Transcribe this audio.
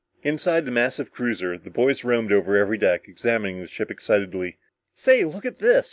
Inside the massive cruiser, the boys roamed over every deck, examining the ship excitedly. "Say look at this!"